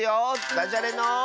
「だじゃれの」。